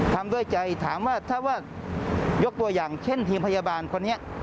ทำด้วยใจถามว่าถ้าว่ายกตัวอย่างเช่นทีมพยาบาลคนนี้